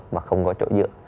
và không có chỗ dựa